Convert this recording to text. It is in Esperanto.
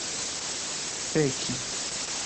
feki